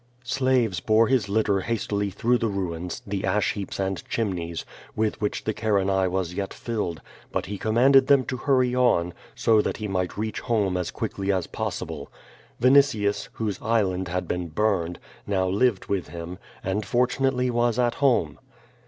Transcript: Slaves bore his litter hastily through the ruins, the ash lieaps and chimneys, with which the Carinae was yet filled, but he commanded them to hurry on, so that he might reach home as quickly as possible. Vinitius, whose "island" had been burned, now lived with him, and fortunately was at home.